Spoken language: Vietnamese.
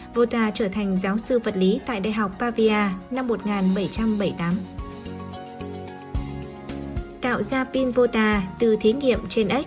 vota trở thành giáo sư vật lý tại đại học pavia năm một nghìn bảy trăm bảy mươi tám